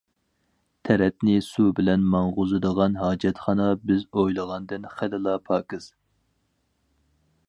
تەرەتنى سۇ بىلەن ماڭغۇزىدىغان ھاجەتخانا بىز ئويلىغاندىن خېلىلا پاكىز.